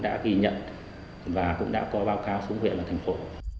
đã ghi nhận và cũng đã có báo cáo xuống huyện và thành phố